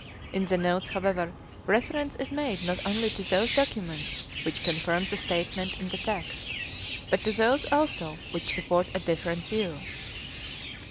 In the notes however reference is made not only to those documents which confirm the statement in the text, but to those also which support a different view.